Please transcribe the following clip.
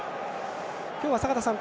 今日は坂田さん